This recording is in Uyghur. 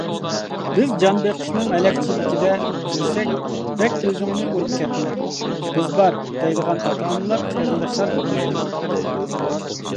بىز جان بېقىشنىڭ ھەلەكچىلىكىدە يۈرسەك، بەك ئۆزۈڭنى ئۇرۇپ كەتمە، بىز بار، دەيدىغان ئاتا-ئانىلار قېرىنداشلار بولمايدۇ.